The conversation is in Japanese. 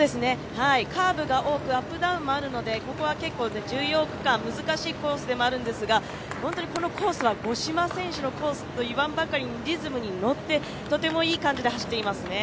カーブも多くアップダウンもあるので、ここは結構重要区間、難しいコースでもあるんですが、本当にこのコースは五島選手のコースと言わんばかりにリズムに乗って、とてもいい感じで走っていますね。